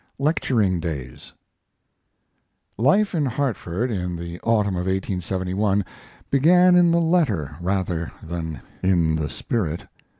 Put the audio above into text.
LECTURING DAYS Life in Hartford, in the autumn of 1871, began in the letter, rather than in the spirit.